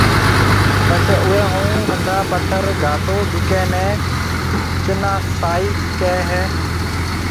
پڇيَ اوئيَ هون ننڊا پٿر گھاتو جڪيَ نيَ چنا سائز ڪيَ هيَ